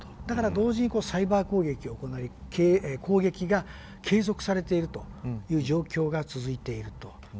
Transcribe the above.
だから同時にサイバー攻撃を行い攻撃が継続されているという状況が続いていると。